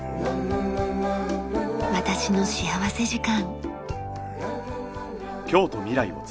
『私の幸福時間』。